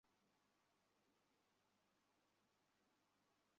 সৃজনশীল হতে গিয়ে হাঁপিয়ে উঠেছ।